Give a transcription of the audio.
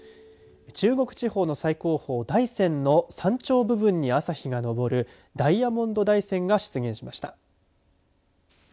中国地方の最高峰大山の山頂部分に朝日が昇るダイヤモンド大山が出現しました。